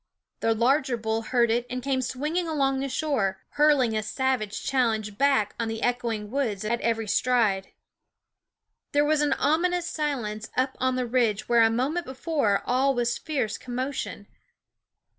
The larger bull heard it and came swinging along the shore, hurling a savage challenge back on the echoing woods at every stride. There was an ominous silence up on the ridge where a moment before all was fierce commotion.